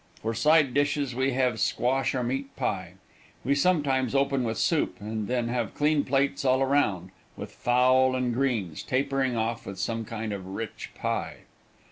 For side dishes we have squash or meat pie. We sometimes open with soup and then have clean plates all around, with fowl and greens, tapering off with some kind of rich pie.